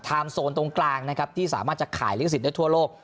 โซนตรงกลางนะครับที่สามารถจะขายลิขสิทธิ์ได้ทั่วโลก